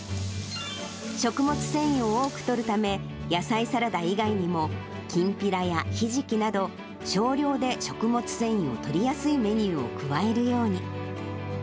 食物繊維を多くとるため、野菜サラダ以外にもきんぴらやひじきなど、少量で食物繊維をとりやすいメニューを加えるように。